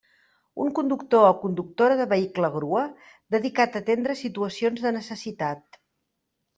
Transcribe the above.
Un conductor o conductora de vehicle grua, dedicat a atendre situacions de necessitat.